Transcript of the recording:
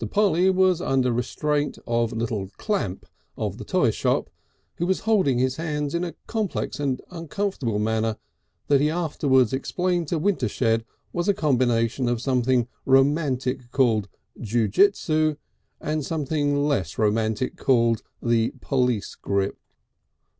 Polly was under restraint of little Clamp, of the toy shop, who was holding his hands in a complex and uncomfortable manner that he afterwards explained to Wintershed was a combination of something romantic called "Ju jitsu" and something else still more romantic called the "Police Grip."